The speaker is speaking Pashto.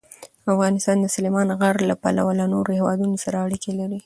افغانستان د سلیمان غر له پلوه له نورو هېوادونو سره اړیکې لري.